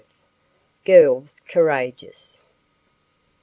GIRLS COURAGEOUS.